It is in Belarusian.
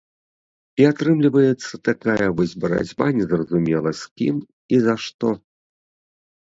І атрымліваецца такая вось барацьба незразумела з кім і за што.